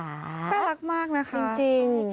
น่ารักมากนะคะจริง